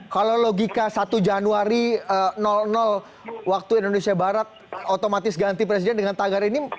kalau logika satu januari waktu indonesia barat otomatis ganti presiden dengan tagar ini